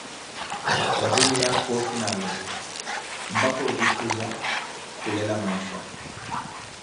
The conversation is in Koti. vatuniya fooshi na alettho, mpakha ojithuza kulela mansha.